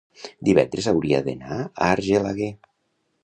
divendres hauria d'anar a Argelaguer.